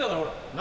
何？